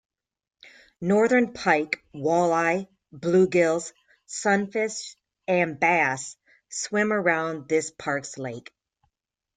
Northern pike, walleye, bluegills, sunfish and bass swim around this park's lake.